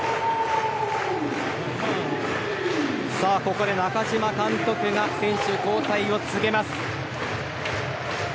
ここで中嶋監督が選手交代を告げます。